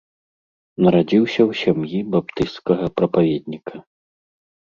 Нарадзіўся ў сям'і баптысцкага прапаведніка.